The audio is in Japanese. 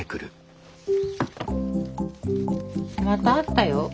またあったよ。